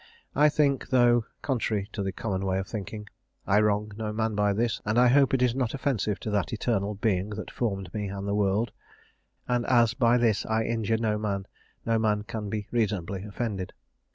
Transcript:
I think, though contrary to the common way of thinking, I wrong no man by this, and hope it is not offensive to that eternal Being that formed me and the world: and as by this I injure no man, no man can be reasonably offended.